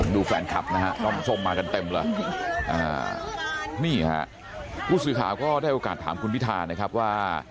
ดูแฟนคลับนะฮะด้อมส้มมากันเต็มเลยนี่ฮะผู้สื่อข่าวก็ได้โอกาสถามคุณพิธานะครับว่า